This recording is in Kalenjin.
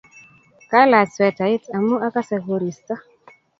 Kalach swetait amu akase koristo